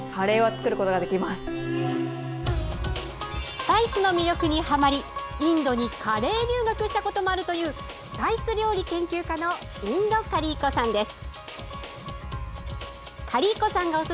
スパイスの魅力にはまりインドにカレー留学したこともあるというスパイス料理研究家の印度カリー子さんです。